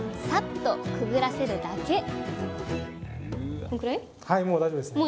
サッとくぐらせるだけ！